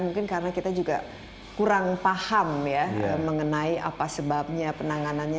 mungkin karena kita juga kurang paham ya mengenai apa sebabnya penanganannya